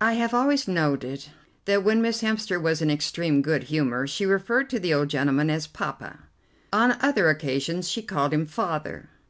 I have always noted that when Miss Hemster was in extreme good humour she referred to the old gentleman as Poppa; on other occasions she called him Father.